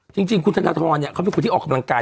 จริงคุณธนทรเขาเป็นคนที่ออกกำลังกาย